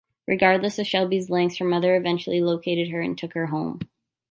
Regardless of Shelby's lengths, her mother eventually located her and took her home.